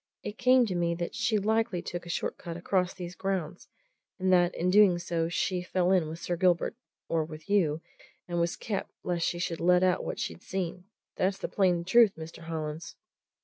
"It came to me that she likely took a short cut across these grounds, and that in doing so she fell in with Sir Gilbert or with you and was kept, lest she should let out what she'd seen. That's the plain truth, Mr. Hollins."